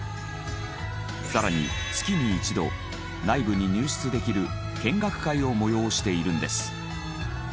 更に月に一度内部に入室できる見学会を催しているんです。